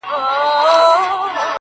چي زړېږم مخ مي ولي د دعا پر لوري سم سي؛